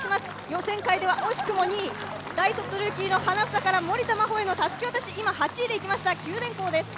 予選会では惜しくも２位大卒ルーキーの花房から森田真帆へのたすき渡しいきました、九電工です。